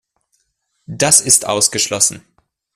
Das ist ausgeschlossen.